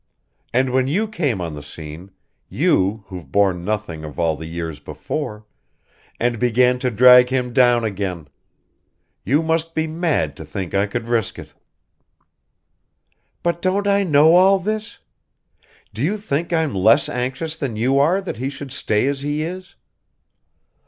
And then you come on the scene you, who've borne nothing of all the years before and begin to drag him down again. You must be mad to think I could risk it!" "But don't I know all this? Do you think I'm less anxious than you are that he should stay as he is?